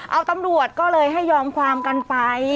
เอาตำรวจก็เลยให้ยอมความกันไป